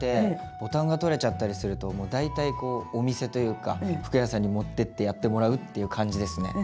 ボタンが取れちゃったりするともう大体こうお店というか服屋さんに持ってってやってもらうっていう感じですね。